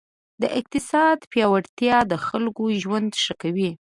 د اقتصاد پیاوړتیا د خلکو ژوند ښه کوي.